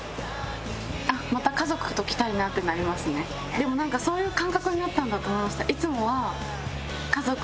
でもなんかそういう感覚になったんだと思いました。